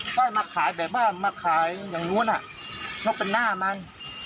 ก็ให้มาขายแบบบ้านมาขายอย่างโน้นน่ะน่าเป็นหน้ามัน